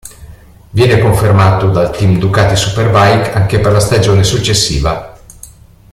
Viene confermato dal team Ducati Superbike anche per la stagione successiva.